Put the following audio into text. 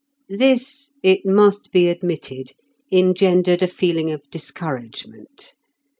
This, it must be admitted, engendered a feeling of discouragement.